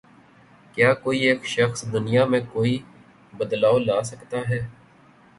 کیا کوئی ایک شخص دنیا میں کوئی بدلاؤ لا سکتا ہے